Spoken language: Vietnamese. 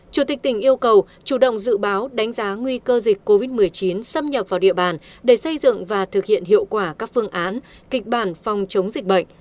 chủ tịch tỉnh yêu cầu chủ động dự báo đánh giá nguy cơ dịch covid một mươi chín xâm nhập vào địa bàn để xây dựng và thực hiện hiệu quả các phương án kịch bản phòng chống dịch bệnh